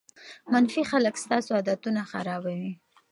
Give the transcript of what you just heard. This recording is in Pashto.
منفي خلک ستاسو عادتونه خرابوي.